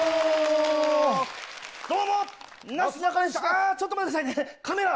あぁちょっと待ってくださいねカメラ。